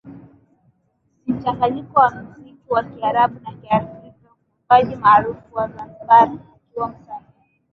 ni mchanganyiko wa musiki wa Kiarabu na kiafrika Mwimbaji maarufu wa Zanzibar akiwa wasanii